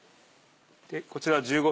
こちら１５